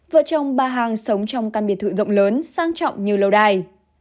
vợ chồng bà hàng sống trong căn biệt thự rộng lớn sang trọng như lâu đài